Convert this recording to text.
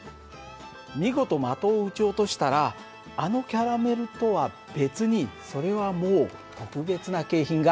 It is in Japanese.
見事的を撃ち落としたらあのキャラメルとは別にそれはもう特別な景品がございます。